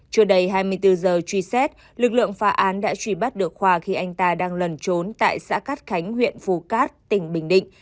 chưa đầy hai mươi bốn giờ truy xét lực lượng phá án đã truy bắt được khoa khi anh ta đang lẩn trốn tại xã cát khánh huyện phù cát tỉnh bình định